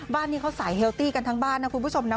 บ้านนี้เขาสายเฮลตี้กันทั้งบ้านนะคุณผู้ชมนะ